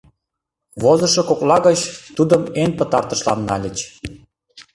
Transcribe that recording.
Возышо кокла гыч тудым эн пытартышлан нальыч.